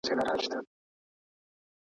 ډېر هوښیار دی مشرتوب لایق د ده دی.